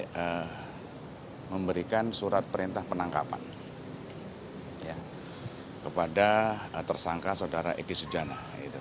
dan penyidik yang diberikan surat perintah penangkapan kepada tersangka saudara egy sujana